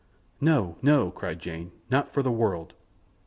"No! no!" cried Jane. "Not for the world.